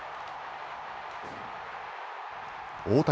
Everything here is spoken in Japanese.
大谷。